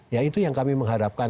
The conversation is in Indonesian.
ya itu yang kami mengharapkan